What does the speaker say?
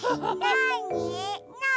なに？